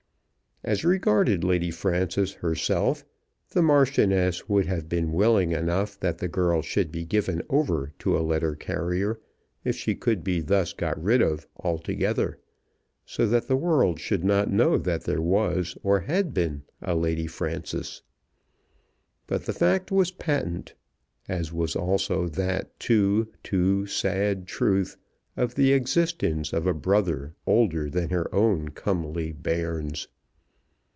As regarded Lady Frances herself, the Marchioness would have been willing enough that the girl should be given over to a letter carrier, if she could be thus got rid of altogether, so that the world should not know that there was or had been a Lady Frances. But the fact was patent, as was also that too, too sad truth of the existence of a brother older than her own comely bairns.